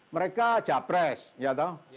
mereka diapresiasi ya tahu